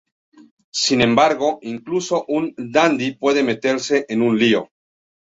Sin embargo, incluso un Dandy puede meterse en un lío.